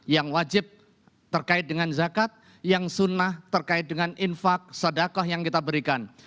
yang wajib terkait dengan zakat yang sunnah terkait dengan infak sadakah yang kita berikan